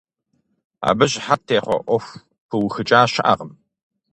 Абы щыхьэт техъуэ Ӏуэху пыухыкӀа щыӀэкъым.